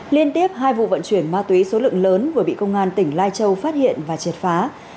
liên tiếp hai vụ vận chuyển ma túy số lượng lớn vừa bị công an tỉnh lai châu phát hiện và triệt phá